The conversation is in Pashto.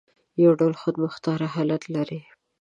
یو ډول خودمختار حالت لري.